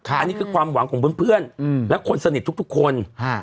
อันนี้คือความหวังของเพื่อนและคนสนิททุกคน